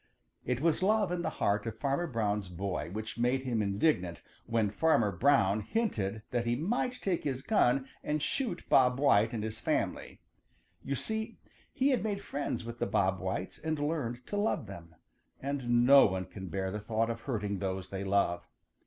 It was love in the heart of Farmer Brown's boy which made him indignant when Farmer Brown hinted that he might take his gun and shoot Bob White and his family. You see, he had made friends with the Bob Whites and learned to love them, and no one can bear the thought of hurting those they love.